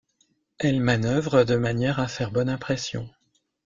Elle manœuvre de manière à faire bonne impression.